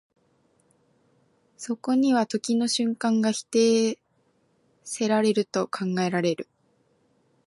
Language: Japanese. そこには時の瞬間が否定せられると考えられる。